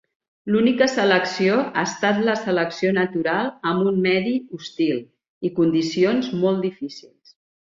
L'única selecció ha estat la selecció natural amb un medi hostil i condicions molt difícils.